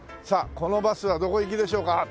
このバスはどこ行きでしょうか？